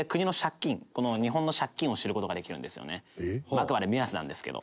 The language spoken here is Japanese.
あくまで目安なんですけど。